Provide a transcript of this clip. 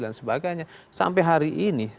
dan sebagainya sampai hari ini